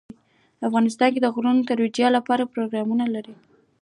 افغانستان د غرونه د ترویج لپاره پروګرامونه لري.